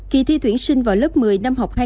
kỳ thi tuyển sinh vào lớp một mươi năm học hai nghìn